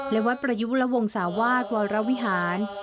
และวัดประยุและวงศาวาสวรวิหาร